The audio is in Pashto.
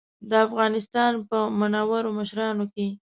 د افغانستان په منورو مشرانو کې.